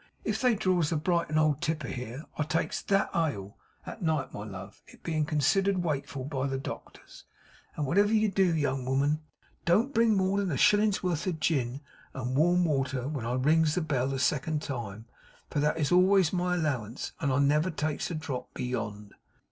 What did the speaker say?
If they draws the Brighton Old Tipper here, I takes THAT ale at night, my love, it bein' considered wakeful by the doctors. And whatever you do, young woman, don't bring more than a shilling's worth of gin and water warm when I rings the bell a second time; for that is always my allowance, and I never takes a drop beyond!